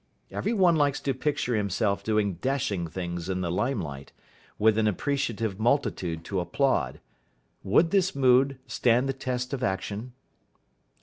Every one likes to picture himself doing dashing things in the limelight, with an appreciative multitude to applaud. Would this mood stand the test of action?